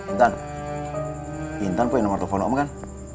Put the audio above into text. intan intan mau minum nomer telepon om kan